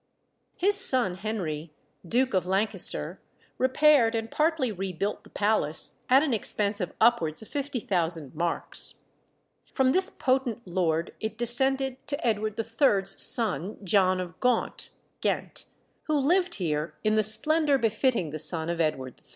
His son Henry, Duke of Lancaster, repaired and partly rebuilt the palace, at an expense of upwards of 50,000 marks. From this potent lord it descended to Edward III.'s son, John of Gaunt (Ghent), who lived here in the splendour befitting the son of Edward III.